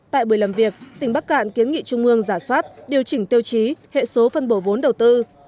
tại buổi làm việc tỉnh bắc cạn kiến nghị trung ương giả soát điều chỉnh tiêu chí hệ số phân bổ vốn đầu tư